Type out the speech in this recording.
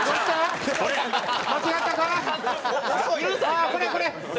ああこれこれ！